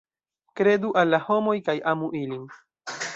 Kredu al la homoj kaj amu ilin.